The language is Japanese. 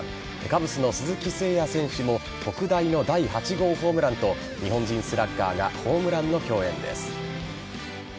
カブスの鈴木誠也選手も特大の第８号ホームランと日本人スラッガーがホームランの共演です。